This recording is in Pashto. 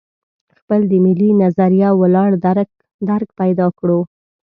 خپل د ملي نظریه ولاړ درک پیدا کړو.